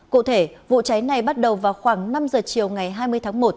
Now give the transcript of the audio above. cụ thể vụ cháy này bắt đầu vào khoảng năm giờ chiều ngày hai mươi tháng một